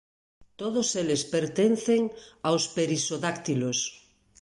Todos eles pertencen aos perisodáctilos.